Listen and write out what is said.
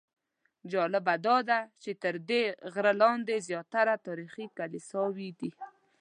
جالبه داده چې تر دې غره لاندې زیاتره تاریخي کلیساوې دي.